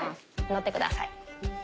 乗ってください。